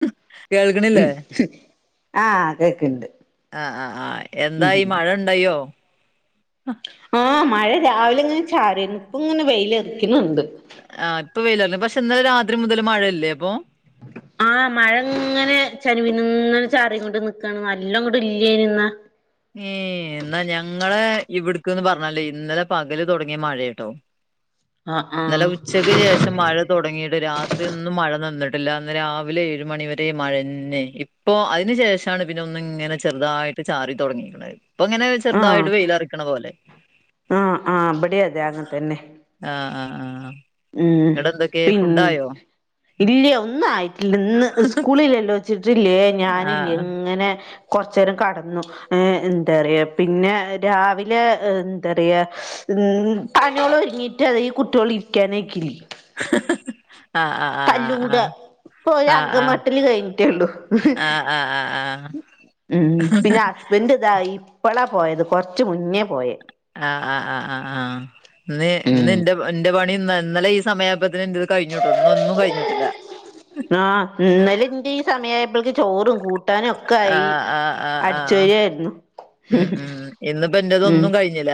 [unintelligible] കേൾക്കണില്ലേ ആഹ് കേക്ക്ണ്ട് ആഹ് ആഹ് ആഹ് എന്തായി ഉം മഴ ഉണ്ടായ്യോ ആഹ് മഴ രാവിലെ ഇങ്ങനെ ചാറീന്നു ഇപ്പ ഇങ്ങനെ വെയിലറിക്കുന്നുണ്ട് ആ്ഹ് ഇപ്പോൾ വെയിലാണ് പക്ഷെ ഇന്നലെ രാത്രി മുതൽ മഴയല്ലേ അപ്പൊ ആ്ഹ് മഴ ഇങ്ങനെ ചനിവിനിങ്ങനെ ചാറികൊണ്ട് നിക്കാണ് നല്ല ഇങ്ങോട്ടും ഇല്ല [inaudible] ഏഹ് എന്നാൽ ഞങ്ങളെ ഇവിടേക്ക് പറഞ്ഞാൽ ഇന്നലെ പകല് തുടങ്ങിയ മഴയാണുട്ടോ ആഹ് ഇന്നലെ ആഹ് ഉച്ചക്ക് ശേഷം മഴ തുടങ്ങിട്ട് രാത്രി ഒന്നും മഴ നിന്നിട്ടില്ല ഇന്ന് രാവിലെ ഏഴ് മണിവരെ മഴ തന്നെയായിരുന്നു ഇപ്പൊ അതിന് ശേഷമാണ് പിന്നെ ഒന്നിങ്ങനെ ചെറുതായിട്ട് ചാറി തുടങ്ങിയത് ഇപ്പൊ ഇങ്ങനെ ആഹ് ചെറുതായിട്ട് വെയിലറക്കണ പോലെ ആഹ് ആഹ് ഇബടിം അതെ അങ്ങൻ ആഹ് ആഹ് ആഹ് മ്മ് ഇങ്ങടെ എന്തൊക്കെ ഫുഡായോ പിന്നെ ഇല്ല്യ ഒന്നും ആയിട്ടില്ല ഇന്ന് സ്കൂളിലല്ലോ വച്ചിട്ടില്ലേ ഞാനില്ലേ ആഹ് ഇങ്ങനെ കുറച്ചു നേരം കിടന്നു ഏഹ് എന്താ പറയാ പിന്നെ രാവിലെ എന്താ പറയാ ഉം പണ്യോളോതുങ്ങീട്ട് ഈ കുട്ട്യോൾ ഇരിക്കാനയക്കില്ലേ [unintelligible] ആഹ് ആഹ് ആഹ് ആഹ് ആഹ് ഇപ്പോര് ആഹ് അങ്കംവേട്ടല് കഴിഞ്ഞിട്ടോള്ളു ആഹ് ആഹ് ആഹ് ആഹ് ഉം പിന്നെ ഹസ്ബൻഡ്‌ ഇതായി ഇപ്പളാ പോയത് കൊറച്ച് മുന്നേ പോയ ആഹ് ആഹ് ആ്ഹ് ആഹ് ആഹ് ഇന്ന് ഇന്നിന്റെ എന്റെ പണി ഇന്ന് ഇന്നലെ ഈ സമയായപ്പോത്തേനും എന്റേത് കഴിഞ്ഞുട്ടോ ഇന്നോന്നും കഴിഞ്ഞിട്ടില്ല ആഹ് ഇന്നലെ ഇന്റെ ഈ സമയമായപ്പോത്തേക്കും ചോറും കൂട്ടാനും ഒക്കെ ഒക്കെയായി ആഹ് ആഹ് ആഹ് അടിച്ചു ആഹ് വരുകയായിരുന്നു ഉം ഉം ഇന്നിപ്പോൾ എന്റേത് ഒന്നും കഴിഞ്ഞില്ല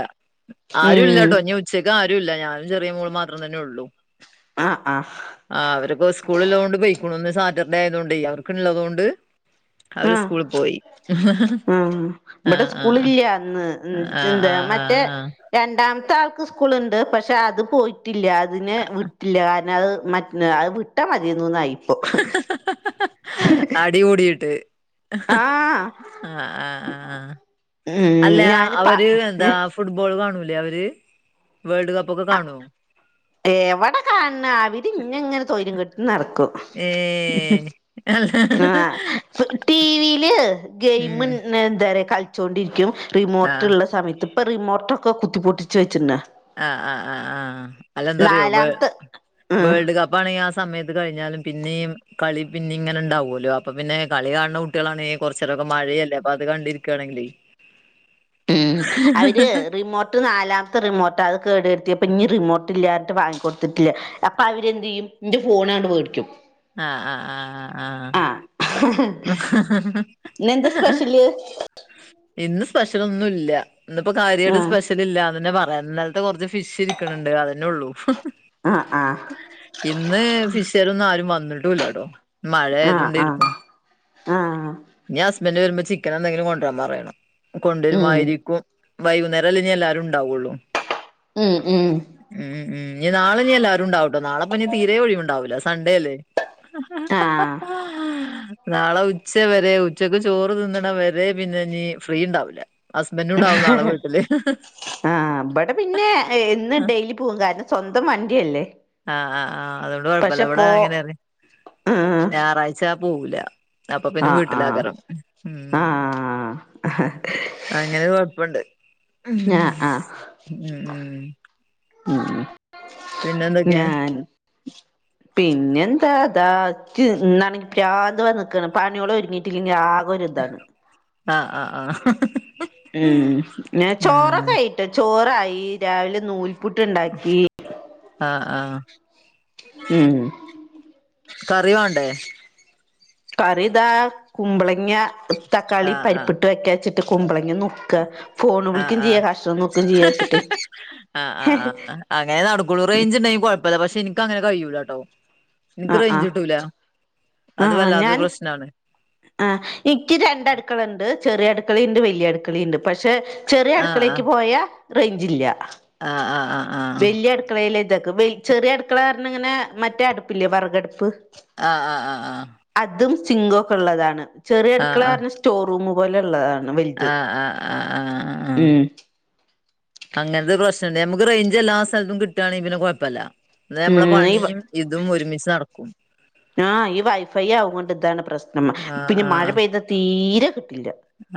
ആരും ഉം ഇല്ലാട്ടോ ഉച്ചക്ക് ആരും ഇല്ല ഞാനും ചെറിയ മകളും മാത്രം തന്നെ ഉള്ളൂ ആഹ് ആഹ് ആഹ് അവൊക്കെ സ്കൂൾ ഉള്ളതുകൊണ്ട് പോയിട്ടുണ്ട് ഇന്ന് സാറ്റർഡേ ആയതുകൊണ്ട് അവർക്ക് ഉള്ളതുകൊണ്ട് ആഹ് ആഹ് ഇവിടെ ആഹ് ആഹ് സ്കൂളില്ല ഇന്ന് ആഹ് എന്താ ആഹ് ആഹ് മറ്റേ ആഹ് രണ്ടാമത്തെ ആൾക്ക് സ്കൂളുണ്ട് പക്ഷെ അത് പോയിട്ടില്ല അതിനെ വിട്ടില്ല കാരണം അത് മറ്റ അത് വിട്ട മതിയെന്നുന്നായി [unintelligible] അടികൂടിയിട്ട് [unintelligible] ആഹ് ആഹ് അഹ് ആഹ് ഉം അല്ല ഞാന് പ അവര് എന്താ ഫുട്ബോൾ കാണൂല്ലേ അവര് വേൾഡ് കപ്പ് ഒക്കെ കാണോ എവിടെ കാണണ അവര് ഇന്നെ ഇങ്ങനെ സ്വൈര്യം കെടുത്തി നടക്കും ഏഹ് ആഹ് ടിവിയില് ഗെയിം ഉം എന്താ പറയാ കളിച്ചോണ്ടിരിക്കും ആ റിമോട്ട് ഉള്ള സമയത്ത് ഇപ്പൊ റിമോട്ടൊക്കെ കുത്തി പൊട്ടിച്ച് വെച്ചിണ ആഹ് ആഹ് ആഹ് ആഹ് അല്ലെന്താറിയോ വേ നാലാമത്തെ ഉം വേൾഡ് കപ്പ് കളി ആഹ് സമയത്ത് കഴിഞ്ഞാലും പിന്നെയും കളി പിന്നെ ഇങ്ങനെ ഉണ്ടാാവുമല്ലോ അപ്പ പിന്നെ കളി കാണുന്ന കുട്ടികളാണെങ്കിൽ കുറച്ച നേരമൊക്കെ മഴയല്ലേ അപ്പൊ അത് കണ്ടിരിക്കയാണെങ്കിലേ ഉം അതിന് റിമോട്ട് ഇത് നാലാമത്തെ റിമോട്ടാ അത് കേട് വരത്തിയപ്പൊ ഇനി റിമോട്ട് ഇല്ലാഞ്ഞിട്ട് വാങ്ങി കൊടുത്തിക്ക അപ്പൊ അവരെന്ത് ചെയ്യും എന്റെ ഫോണങ്ങട്ട് മേടിക്കും ആഹ് ആഹ് ആഹ് ആഹ് ആഹ് ഹ ഇന്നെന്താ ഹ ഹ ഹ സ്പെഷ്യല് ഇന്ന് സ്പെഷ്യൽ ഒന്നും ഇല്ല ഇന്ന്പ്പോ കാര്യയിട്ട് ആഹ് സ്പെഷ ഷൽ ഇല്ലാ നന്നെ പറയാ ഇന്നലത്തെ കൊറച്ച് ഫിഷ് ഇരിക്ക്ണ്‌ണ്ട് അതന്നെ ഒള്ളൂ ആഹ് ആഹ് ഇന്ന് ഫിഷേര് ഒന്നും ആരും വന്ന്ട്ടൂല്ലട്ടോ മഴ ആഹ് ആഹ് ആയതുകൊണ്ടിരിക്കും ആഹ് ഞ്ഞ ഹസ്ബൻഡ് വരുമ്പോ ചിക്കൻ എന്തെങ്കിലും കൊണ്ടരാ പറയണം ഉം കൊണ്ടുവരുമായിരിക്കും വൈകുന്നേരല്ലേ ഇനിഎല്ലാരും ഇണ്ടാവാള്ളൂ ഉം ഉം മ് മ് ഇഞ് നാളെ ഇനി എല്ലാരും ഉണ്ടാവുട്ടോ നാളെപ്പ ഇഞീ തീരേ ഒഴിവ് ഇണ്ടാവൂലസണ്ടേ അല്ലേ ആഹ് [inaudible] നാള ഉച്ച വരെ ഉച്ചക്ക് ചോറ് തിന്ന്ണ വരെ പിന്നെ ഞ് ഫ്രീ ഇണ്ടാവുല ഹസ്ബൻഡും ഇണ്ടാവും നാളെ വീട്ട്ല് ആഹ് ഇപടെ പിന്നെ എന്ന് ഡെലി പൂവും കാരണം സ്വന്തം വണ്ടിയല്ലേ ആഹ് ആഹ് ആഹ് അതുകൊണ്ട് കൊഴപ്പല്ല പക്ഷെ ഇവടെ പോ അങ്ങനെ ആഹ് ഞായറാഴ്ച പോവുല അആ അ ആ ഉം അങ്ങനെ കൊഴപ്പണ്ട് ആഹ് ആഹ് ഉം മ് മ് പിന്നെ എന്തൊക്കെയാ ഞാൻ [inaudible] പിന്നെ എന്താ താ ഇക്ക് ഇന്നാണങ്കി പ്രാന്ത് വന്ന് ക്കാൺ പണിഓള് ഒര്ങ്ങി ട്ടില്ലങ്ങി ആ കൊരിതാണ് ആ ആ ആ ഉം പിന്നേ ചോറൊക്കെ ആയിട്ടോ ചോറായി രാവിലെ നൂൽപ്പുട്ട് ഇണ്ടാക്കി ആഹ് ആഹ് മ് കറി വാണ്ടേ കറി താ കുമ്പളങ്ങ തക്കാളി ആഹ് ആഹ് പരിപ്പിട്ട് വെക്കാച്ച്ട്ട് കുമ്പളങ്ങ നു ർക്ക ഫോൺ ആഹ് വിളിക്കും ചെയ്യ ആഹ് കഷണം നുർക്കും ച്ച് യാച്ച്ട്ട് ആഹ് ആഹ് ആഹ് അങ്ങനെ നടക്കൊളൂ റെയിഞ്ച് ഇണ്ടെങ്കി കൊഴപ്പല്ല പക്ഷെ ഇനിക്ക് അങ്ങനെ കഴിയൂലാട്ടോ എനിക്ക് ആഹ് റേയ്ഞ്ച് ആഹ് കിട്ടൂല അത്‌ ആഹ് വല്ലാത്ത ഞാൻ പ്രശ്നാണ് ആഹ് ഇക്ക് രണ്ട അട്ക്കള ഇണ്ട് ചെറി അട്കളിം ഇണ്ട്‌ വല്ല്യ അട്ക്കളിംണ്ട് പക്ഷെ ചെറിയ ആഹ് അടുക്കളേക്ക് പോയ റെഞ്ചില്ല ആആ ആ ആആ [unintelligible] വലി ചെറിയ അടുക്കള പറഞ്ഞ ഇങ്ങനെ മറ്റേ അടുപ്പില്ലേ വറകട്പ്പ് ആ ആ ആ ആ അതും സിംഗോ ഒക്കെ ഇള്ളതാണ് ചെറിയ അടുക്കള പറഞ്ഞ സ്റ്റോറൂം പോലെ ഇള്ളതാണ് ആ ആ ആ ആ ആ ഉം അങ്ങൻത്തെ പ്രശ്നന്നേ നമുക്ക് റേഞ്ച് എല്ലാ സ്ഥലത്തും കിട്ടാണേ പിന്നെ കൊഴപ്പല ന്നാ നമ്മളെ ഉം പണിയും ഇതും ഒരുമിച്ച് നടക്കും ആഹ് ഈ വൈഫൈ ആവൊണ്ട് ഇതാണ് പ്രശ്നം ആഹ് പിന്നെ മഴ ആഹ് പെയ്താ തീര കിട്ടില്ല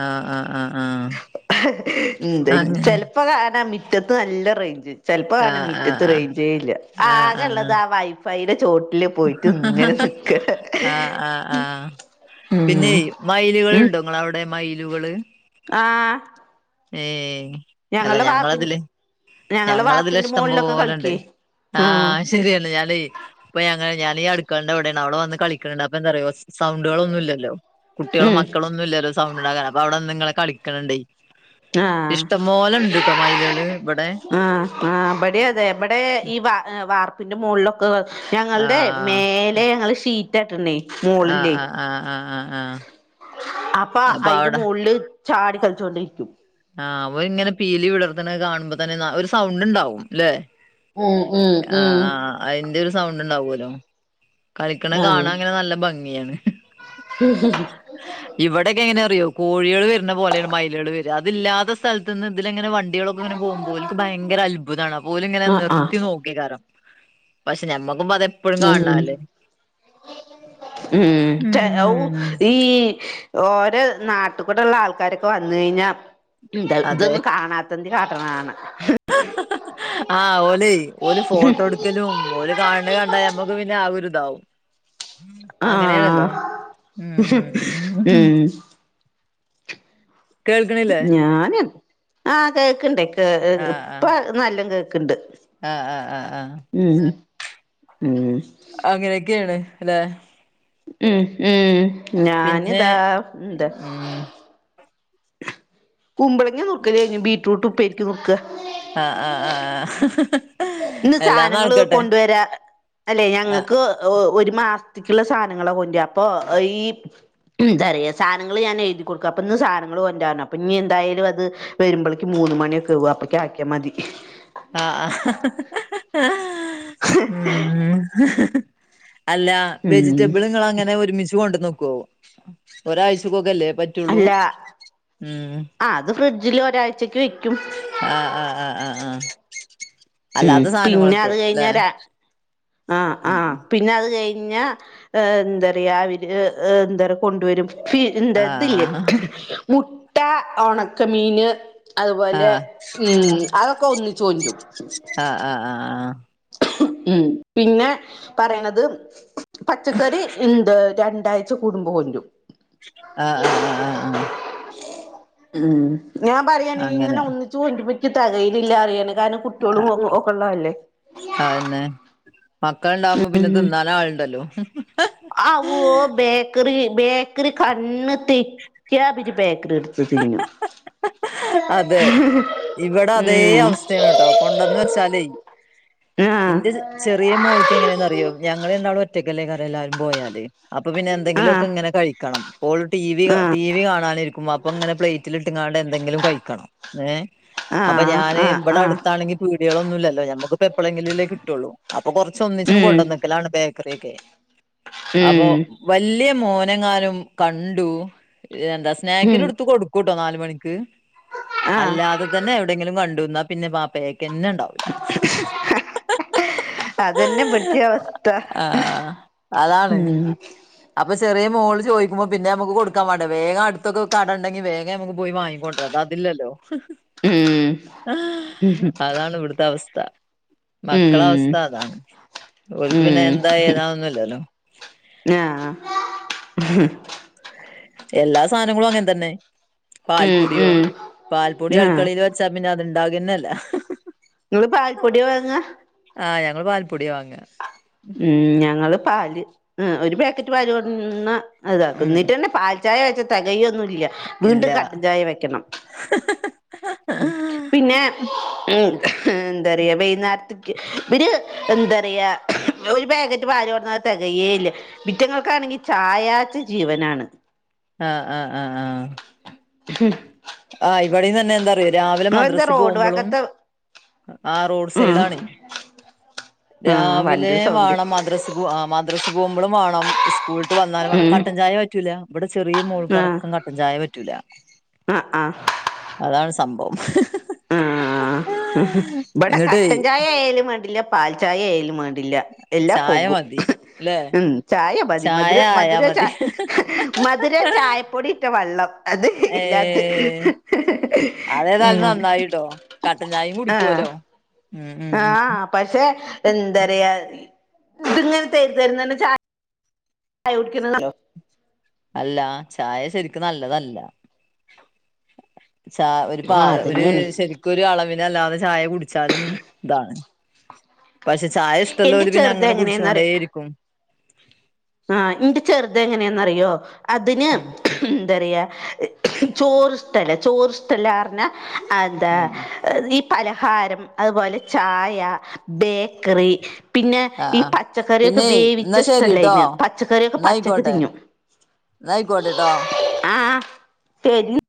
ആഹ് ആഹ് ആഹ് ആഹ് [unintelligible] അങ്ങനെ ചല ഇപ്പ കാണാ മിറ്റത്ത് നല്ല റെയ്ഞ്ച് ചെൽപ്പോ കാണ ആഹ് ആഹ് മിറ്റത്ത് ആഹ് റെയ്ഞ്ചേയില്ല ആഹ് ആക ഇള്ളത് ആ ആഹ് വൈഫൈയ്ടെ ചോട്ടില് പോയിട്ട് ഇങ്ങനെ നിക്കണ ആ ആ ആ ഉം പിന്നെ മൈലുകൾ ഉം ഇണ്ടോ ങ്ങള ടെ മൈലുകള് ആഹ് ഏ അല്ല ഞങ്ങളുടെ വാപ്പി ഞങ്ങളതില് ഞങ്ങളുടെ ഞങ്ങളതില വാർപ്പിന്റെ ഇഷ്ടം മോളിലൊക്കെ പോലണ്ട് കളിക്കേ ആ ആഹ് ശരിയാണ് ഞാനേയ് പ്പ ഞങ്ങളെ ഞാനീ അടുക്കളന്റെ അവടെൺ അവട വന്ന് കളിക്ക്ണ്‌ണ്ട് അപ്പൊ എന്താറിയോ സൗണ്ടുകളൊന്നുല്ലല്ലോ കുട്ടികളും ഉം മക്കളും ഒന്നും ഇല്ലല്ലോ സൗണ്ട് ഉണ്ടാക്കാൻ അപ്പൊ അവിടെന്ന് ഇങ്ങനെ കളിക്ക്ണ് ണ്ടെ ആഹ് ഇഷ്ടം പോലെ ഉണ്ട് ട്ടോ മൈലേള് ഇവടെ ആ ആ ഇബടെം അതെ ഇബടെ ഈ വ വാർപ്പിന്റെ മോളിലൊ ഞങ്ങൾ ടെ ആഹ് മേലെ ഞങ്ങള് ഷീറ്റാട്ട് ണേ ആ ആ ആ ആ ആ അപ്പ അയിന്റെ അവിടെ മോള്ല് ചാടി കളിച്ചോണ്ടിരിക്കും ആഹ് ഓര് ഇങ്ങനെ പീലി വിടർത്ത്ണത് കാണുമ്പ തന്നെ ഒരു സൗണ്ട് ഉണ്ടാവും അല്ലെ ഉം ഉം ആ ഉം ആ അയിന്റെ ഒരു സൗണ്ട് ഉണ്ടാവോലോ കളിക്ക്ണ കാണാൻ ഇങ്ങനെ നല്ല ഭംഗിയാണ് ഹി ഹി ഹി ഇവിടെക്കെ എങ്ങനെ അറിയോ കോഴികള് വര്ന്ന പോലേണ് മൈലേള് വര് അതില്ലാതെ സ്ഥലത്ത്ന്ന് ഇതിലെങ്ങെനെ വണ്ട കുട്ടികളൊക്കെ ഇങ്ങെനെ പോവുമ്പോ ഓൽക്ക് ഭയങ്കര അത്ഭുതാണ് അപ്പോലിങ്ങനെ ആഹ് ആഹ് നിർത്തി നോ [unintelligible] പക്ഷെ നമ്മക്കും ഇപ്പ അതെ ഉം ഉം ത ഔ ഉം ഈ ഓരെ നാട്ട് കൂടെള്ള ആൾക്കാര് ഇപ്പ വന്ന കഴിഞ്ഞാ ഉം ചെൽ അതെ ഇതൊന്നും കാണാത്തതിന് കാട്ടണതാണ് ആഹ് ഹഹഹ ആ ഓലെ ഓല് ഫോട്ടോ എടുക്കലും ഓല് കാണ് ണ കണ്ടാ നമ്മക്ക് പിന്നെ ആ ഒര് ഇതാവും അങ്ങനെയാണല്ലേ ആഹ് ഉം ഉം ഉം ഹു ഹും കേൾക്കണില്ലേ ഞാന് ആഹ് കേക്ക്ണ്ട് കേ ആഹ് ആഹ് ഇപ്പ നല്ലം കേക്ക്ണ്ട് ആഹ് ആഹ് ആഹ് ആഹ് ഉം. ഹും ഉം അങ്ങനെയൊക്കെയാണ് അല്ലെ ഉ ഉം പിന്നെ ഞാനിതാ എന്ത് ഉം കുമ്പളങ്ങ നുറക്കലേയ്ഞ്ഞ് ബീറ്റ്റൂട്ട് ഉപ്പേരിക്ക് നുറുക്ക ആ ആ ആ അ ഹ്ഹ്ഹും ഇന്ന് സാനങ്ങള് കൊണ്ടുവര്യ അല്ലെ ആഹ് ഞങ്ങക്ക് ഒ ഒര് ഒരു മാസത്തേക്കുള്ള സാനങ്ങളാ കൊണ്ട്ര അപ്പൊ ഈ ഉം എന്താ പറയ സാനങ്ങള് ഞാൻ എഴുതി കൊടുക്ക അപ്പൊ ഇന്ന് സാനങ്ങള് കൊണ്ട്രാറഞ്ഞ് അപ്പൊ ഇഞ്ഞ് എന്തായാലും അത് വരുമ്പ്ളക്കും മൂന്ന് മണിയൊ ക്കേവും അപ്പക്ക് ആക്കിയാ മതി ആഹ് അ ഹഹഹ ഹ്ഹ് ഹ് ഹ് ഹ് ഹും അല്ല വെജി ഉം റ്റബിൾ ഇങ്ങള് അങ്ങനെ ഒരുമിച്ച് കൊണ്ട്ന്ന് വെക്കോ ഒരാഴ്ച്ചക്കൊക്കെല്ലെ പറ്റ് അല്ല ആ അത് ഫ്രിഡ്ജില് ഒരാഴ്ച്ചൊക്കെ വയ്ക്കും ആ ആ ആ ആ ആ ഉം അല്ലാത്ത സാനങ്ങളൊക്കെ അല്ലെ ആ ആ ഉം പിന്നെ അത് കഴിഞ്ഞാ എന്ത്റയാ ഇവര് എന്ത് റയാ കൊണ്ടുവരും പി ന്തെ ഇത് ല്ലേ ആഹ് മുട്ട ഒണക്കമീന് അതുപോലെ ആഹ് ഉം അതൊക്കെ ഒന്നിച്ച് കൊണ്ട്രും ആ ആ ആ ആ ഉം പിന്നെ പറയണത് പച്ചക്കറി എന്ത് രണ്ടായി ഴ്ച്ച കൂടുമ്പോ കൊണ്ട്രും ആ ആ ആ ആ ആ ഉ ഉം ഉം ഞാൻ പറയാണ് അങ്ങനെ ഇങ്ങനെ ഒന്നിച്ച് കൊണ്ട്രുമ്പം ഇക്ക് തെകയണില്ലാറിയാണ് കാരണം കുട്ട്യോളും ഒ ഒക്കെ ഉള്ള അല്ലേ അതന്നെ മക്കള്ണ്ടാവുമ്പോ പിന്നെ തിന്നാനാള്ണ്ടല്ലോ ഹ് ഹ് ഹും അ വോ ബേക്കറി ബേക്കറി കണ്ണ് തെറ്റ്യാ പിന്നെ ബേക്കറി എടുത്ത് തിന്നും അതെ ഇവിടെ അതേ ഉം അവസ്ഥയാണ് കേട്ടോ. കൊണ്ടന്ന് വെച്ചാലേ. ആഹ ഇന്റെ ചെറിയ മോൾക്ക് എങ്ങനെയന്ന് അറിയോ. ഞങ്ങളെ ഉണ്ടാവു ഒറ്റക്കല്ലേ കറ എല്ലാവരും പോയാല്. അപ്പൊ പിന്നെ എന്തെങ്കിലുമക്ക ആഹ് ഇങ്ങനെ കഴിക്കണം. ഓൾ ടി ആഹ് ടി വി കാണാനിരിക്കുമ്പ ങ്ങനെ പ്ലേറ്റിലിട്ടങ്ങാണ്ട് എന്തെങ്കിലും കഴിക്കണം. ഏ അപ്പൊ ആഹ് ഞാന് ആഹ് ഇവിടെ ആഹ് അടുത്താണെങ്കിൽ, വീടുകളൊന്ന ഇല്ലല്ലോ. നമുക്ക്പ്പോ എപ്പോഴെങ്കിലുംല്ലേ കിട്ടുള്ളൂ. അപ്പൊറ ഒന്നിച്ചിനും ഉം കൊണ്ടുവന്നക്കലാണ് ബേക്ക കുറേക്കെ. അപ്പോ, ഉം വല്ല്യ മോനങ്ങാനും കണ്ടു. എന്താ ഉം സ്നാക്കിന എടുത്തു കൊടു കൂട്ടോ നാല് മണിക്ക് ആഹ് അല്ലാതെ തന്നെ എവിടെങ്കിലും കണ്ടുവന്നാ, പിന്നെ പാപ്പയക്കന്നെ ഉണ്ടാവൂല. അതന്നെ ഇവിടുതേം അവസ്ഥ. ആഹ് അതാണ് ഉം അപ്പൊ ചെറിയ മോള് ചോയിക്കുമ്പോ പിന്നെ നമുക് കൊടുക്കൻ വേണ്ടേ. വേഗം അടുത്തൊക്കെ കടണ്ടെങ്കിൽ, വേഗം നമുക്ക് പോയി വാങ്ങിക്കോ പതാ അതില്ലല്ലോ. ഉം ഉം ഉം അതാണ് ഇവിടുത്ത അവസ്ഥ. മക്കള ആഹ് അവസ്ഥ അതാണ്. ഓൽക്ക് പിന്നെ എന്താ ഏതാന്നൊന്നില്ലല്ലോ. ആഹ ആഹ. എല്ലാ സാനങ്ങളും അങ്ങെനെ തന്നെ. ഉം പാൽപ്പൊടിയോ ഉം പാൽപ്പൊടി ആഹ് അടക്കളയിൽ വെച് ച്ചാ പിന്നെ അത്ണ്ടാകന്നല്ല. നിങ്ങള് പാൽപ്പൊടി വാങ്ങ. ആഹ് ഞങ്ങള് പാൽപ്പൊടിയാ വാങ്ങ. ഉം ഞങ്ങള് പാല്. ഉം ഒരു പാക്കറ്റ് പാല് കൊടുന്നാ ഇതാക്കു. ഉം ന്നീട്ടന്നെ പാൽ ചായ വെച്ച തെകയൊന്നു ഇല്ല. വീണ്ടും ഇല്ല കട്ടൻ ചായ വെക്കണം. പിന്നെ ഉം ഉം എന്തറയാ, വൈന്നേരത്ത്ക്ക് ഇവര് എന്തറയാ. ഒരു പാക്കറ്റ് പാല് കൊണ്ടന്ന അത് തികയേ ഇല്ല. ഇവറ്റങ്ങൾക്കാണെങ്കി ചായാച്ച ജീവനാണ്. ആഹ ആഹ ആഹ ആഹ. [inaudible] ആ ഇവിടെന്ന തന്നെ എന്താറിയോ, രാവിലെ നിങ്ങളെന്താ മദ്രസിൽ റോഡ് പോവുമ്പളും വക്കത്തെ ആ റോഡ് ഉം സൈടാണ്. ആഹ് രാവിലെ വണ്ടി സൗണ്ട് വാണം. മദ്രസ് പോ ആ മദ്രസക് പോകുമ്പോഴും വാണം. ഉസ്കൂള് വിട്ട് വന്നാലും വേണം. ഉം കട്ടൻ ചായ പറ്റൂല. ഇവിടെ ചെറിയ മോൾകടക്കം കട്ടൻ ചായ പറ്റൂല. അ ആഹ. അതാണ് സംഭവം. ആഹ മ്മ്ഹ്. ഇവിടെ ഇങ്ങട്ടേ കട്ടൻ ചായ ആയാലും വേണ്ടില്ല, പാൽ ചായ ആയാലും വേണ്ട് ഇല്ല. എല്ലാ ചായ പോകും. മതി ല്ലേ ഉം ചായ മതി ചായ മധുര ആയാ മധുര ച മതി മധുരം ചായപ്പൊടി ഇട്ട വെള്ളം. അത് ഇല്ലാ ത്. ഏഹ് അതേതായാലും നന്നായിട്ടോ. കട്ടൻ ചായയും ആഹ് കുടികൊലോ. ഉം ഉം ഉം. ആഹ് പക്ഷെ, എന്തരയാ ഇത് ഇങ്ങനെ തരു തരുന്നന ചാ യ കുടിക്കുന്ന നല്ല [unintelligible] ല്ലോ. അല്ല ചായ ശരിക്കും നല്ലതല്ല. ച ഒരു ആഹ് പാക ഒര് അതന്നെയാണ് ശരിക്കും ഒരു അളവിന അല്ലാതെ ചായ കുടിച്ചാലും ഇതാണ്. പക്ഷെ ചായ എന്റെ ഇഷ്ടള്ളോര് പിന്നെ ചെറുത് അങ്ങനെ കുടിച്ചു കൊണ്ടേയിരിക്കും. ആഹ ഇന്റെ ചെറത് എങ്ങനെന്നറിയോ. അതിന് ഉം എന്തറയ ചോറ് ഇഷ്ടല്ല. ചോറ് ഇഷ്ടല്ലാർന്ന അന്താ, ഉം ഈ പലഹാരം. അതുപോലെ ചായ ബേക്കറി, പിന്നെ ആഹ് ഈ ആഹ് പച്ചക്കറിയൊക്കെ പിന്നെ വേവിച്ച എന്നാ ഇഷ്ടല്ല ശരിട്ടോ അതിന്. പച്ചക്കറിയോക്കെ പച്ചക്ക് എന്നായിക്കോട്ടെ തിന്നും. എന്നായിക്കോട്ടെട്ടോ ആഹ അ ശരി.